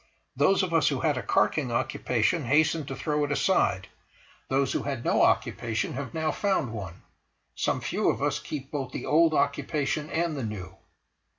Those of us who had a carking occupation hasten to throw it aside, those who had no occupation have now found one; some few of us keep both the old occupation and the new.